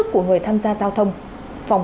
của người tham gia giao thông